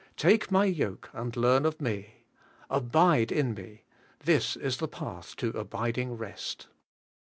'Take my yoke, and learn of me,' 'Abide in me,' — this is the path to abiding rest.